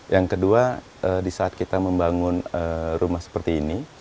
yang kedua di saat kita membangun rumah seperti ini